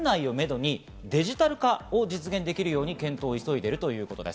年内をめどにデジタル化を実現できるように検討を急いでいるということです。